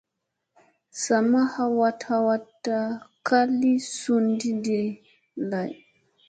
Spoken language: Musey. Sa ma awa awata ka li sun ɗi lay.